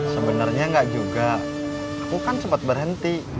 sebenernya gak juga aku kan sempat berhenti